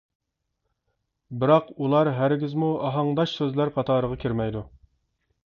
بىراق، ئۇلار ھەرگىزمۇ ئاھاڭداش سۆزلەر قاتارىغا كىرمەيدۇ.